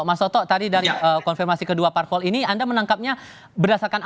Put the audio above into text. mas toto tadi dari konfirmasi kedua parpol ini anda menangkapnya berdasarkan